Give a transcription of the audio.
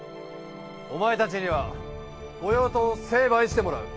お前たちには御用盗を成敗してもらう。